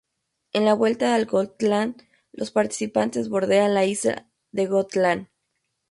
En la Vuelta al Gotland, los participantes bordean la isla de Gotland.